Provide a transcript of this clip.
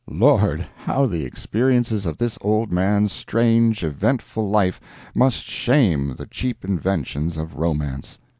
Lord! how the experiences of this old man's strange, eventful life must shame the cheap inventions of romance!"